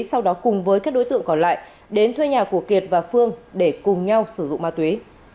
sau đó cùng với các đối tượng còn lại đến thuê nhà của kiệt và phương để cùng nhau sử dụng ma túy